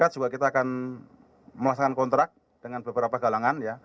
kita juga akan melaksanakan kontrak dengan beberapa galangan